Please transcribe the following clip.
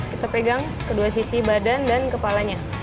kita pegang kedua sisi badan dan kepalanya